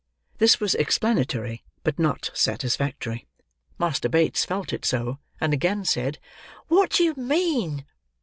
This was explanatory, but not satisfactory. Master Bates felt it so; and again said, "What do you mean?"